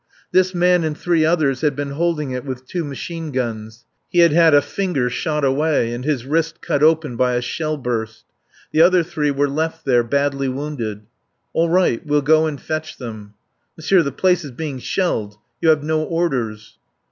This man and three others had been holding it with two machine guns. He had had a finger shot away and his wrist cut open by a shell burst; the other three were left there, badly wounded. "All right, we'll go and fetch them." "Monsieur, the place is being shelled. You have no orders."